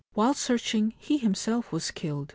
While searching he himself was killed.